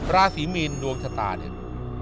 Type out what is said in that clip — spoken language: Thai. ราศีมีนดวงชะตาเนี่ย